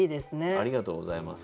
ありがとうございます。